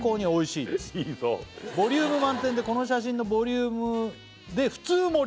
いいぞ「ボリューム満点でこの写真のボリュームで」「普通盛り」